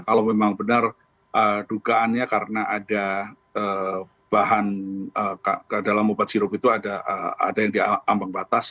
kalau memang benar dugaannya karena ada bahan ke dalam obat sirup itu ada yang dia ambang batas